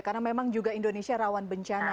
karena memang juga indonesia rawan bencana